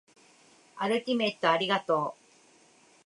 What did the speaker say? アルティメットありがとう